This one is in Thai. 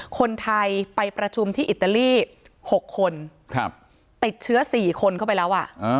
คนไทยไปประชุมที่อิตาลี๖คนติดเชื้อ๔คนเข้าไปแล้ว